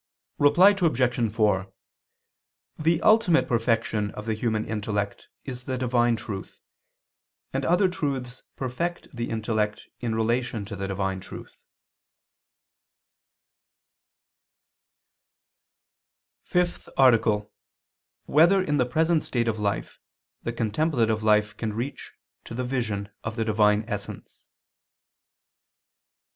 Reply Obj. 4: The ultimate perfection of the human intellect is the divine truth: and other truths perfect the intellect in relation to the divine truth. _______________________ FIFTH ARTICLE [II II, Q. 180, Art. 5] Whether in the Present State of Life the Contemplative Life Can Reach to the Vision of the Divine Essence?